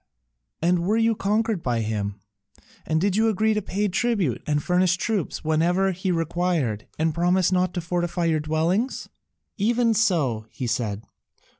"And were you conquered by him, and did you agree to pay tribute and furnish troops whenever he required, and promise not to fortify your dwellings?" "Even so," he said.